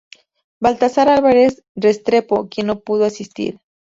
Baltasar Alvarez Restrepo, quien no pudo asistir.